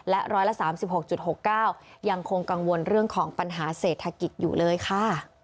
และ๑๓๖๖๙ยังคงกังวลเรื่องของปัญหาเศรษฐกิจอยู่เลยค่ะ